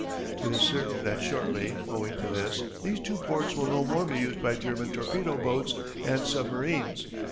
"It is certain that shortly, owing to this, these two ports will no more be used by German torpedo boats and submarines.